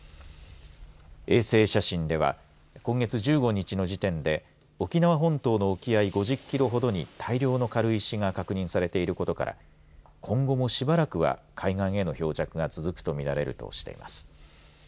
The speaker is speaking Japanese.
衛星写真では今月１５日の時点で沖縄本島の沖合５０キロほどに大量の軽石が確認されていることから今後もしばらくは海岸への漂着が続くと見られるとしています。